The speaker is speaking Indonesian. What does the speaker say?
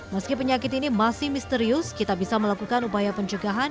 meski penyakit ini masih misterius kita bisa melakukan upaya pencegahan